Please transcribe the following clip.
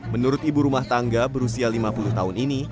menurut ibu rumah tangga berusia lima puluh tahun ini